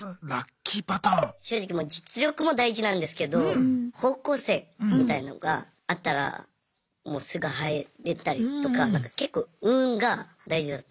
正直実力も大事なんですけど方向性みたいのが合ったらもうすぐ入れたりとか結構運が大事だと思います。